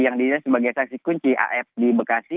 yang dirinya sebagai saksi kunci af di bekasi